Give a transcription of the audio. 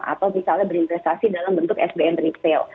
atau misalnya berinvestasi dalam bentuk sbm retail